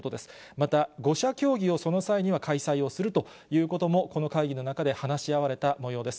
また５者協議をその際には開催をするということも、この会議の中で話し合われたもようです。